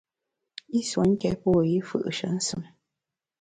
I nsuo nké pô yi mfù’she nsùm.